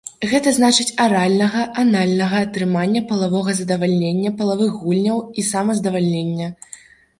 Гэта значыць аральнага, анальнага атрымання палавога задавальнення, палавых гульняў і самазадавальнення.